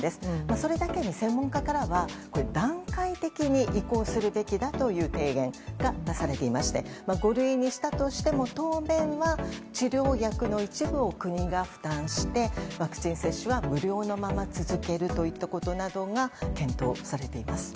それだけに専門家からは段階的に移行するべきだという提言が出されていまして五類にしたとしても当面は治療薬の一部を国が負担してワクチン接種は無料のまま続けるといったことなどが検討されています。